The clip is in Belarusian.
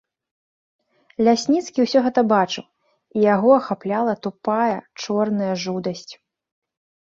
Лясніцкі ўсё гэта бачыў, і яго ахапляла тупая, чорная жудасць.